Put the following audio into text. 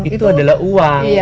itu adalah uang